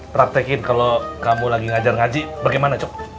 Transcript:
pratekin kalo kamu lagi ngajar ngaji bagaimana